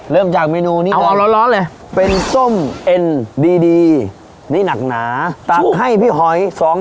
เริ่มจากเมนูนี้เอาร้อนเลยเป็นส้มเอ็นดีนี่หนักหนาตักให้พี่หอย๒๐๐